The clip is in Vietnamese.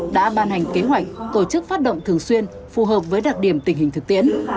đã ban hành kế hoạch tổ chức phát động thường xuyên phù hợp với đặc điểm tình hình thực tiễn